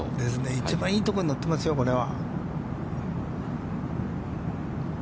一番いいところに乗ってますよ、これは。